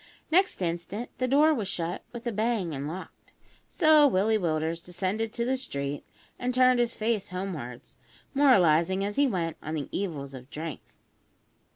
Next instant the door was shut with a bang and locked; so Willie Willders descended to the street, and turned his face homewards, moralising as he went on the evils of drink.